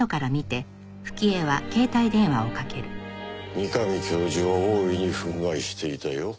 三上教授は大いに憤慨していたよ。